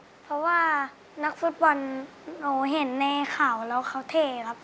เพราะว่านักฟุตบอลหนูเห็นในข่าวแล้วเขาเทครับ